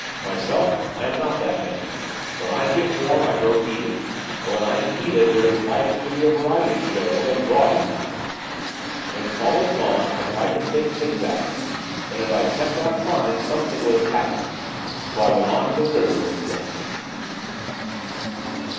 Myself, I am not that kind of man. When I get warm I grow heated, and when I am heated there is likely to be a variety show of a gaudy kind. When Paul had gone I tried to think things out, and if I had kept on trying something would have happened so I went on the river instead.